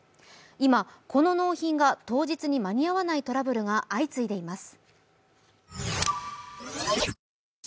今、この納品が当日に間に合わないトラブルが相次いでいます。